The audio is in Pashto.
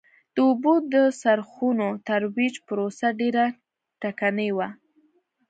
د اوبو د څرخونو ترویج پروسه ډېره ټکنۍ وه.